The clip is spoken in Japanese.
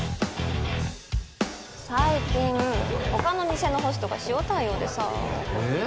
最近他の店のホストが塩対応でさえっ？